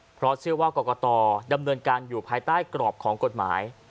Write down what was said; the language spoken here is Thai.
เพราะเชื่อว่ากรกตดำเนินการอยู่ภายใต้กรอบของกฎหมาย